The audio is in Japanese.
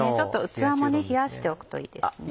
器も冷やしておくといいですね。